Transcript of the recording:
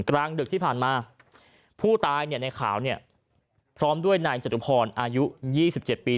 กลางเดือดที่ผ่านมาผู้ตายในขาวพร้อมด้วยนายจัตรุพรอายุ๒๗ปี